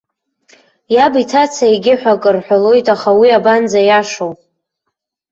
Иаб иҭаца егьи ҳәа акы рҳәалоит, аха уи абанӡаиашоу?